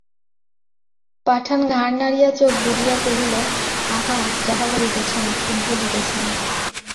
পাঠান ঘাড় নাড়িয়া চোখ বুজিয়া কহিল, আহা, যাহা বলিতেছেন, ঠিক বলিতেছেন।